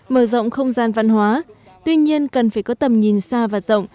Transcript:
mở rộng không gian văn hóa tuy nhiên cần phải có tầm nhìn xa và rộng